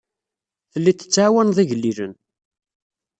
Tellid tettɛawaned igellilen.